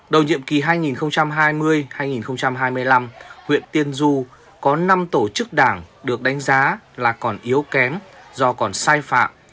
đầu nhiệm kỳ hai nghìn hai mươi hai nghìn hai mươi năm huyện tiên du có năm tổ chức đảng được đánh giá là còn yếu kém do còn sai phạm